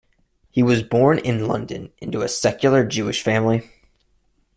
He was born in London into a secular Jewish family.